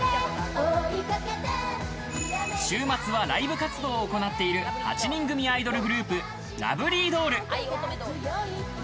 週末はライブ活動を行っている８人組アイドルグループ・愛乙女☆ＤＯＬＬ。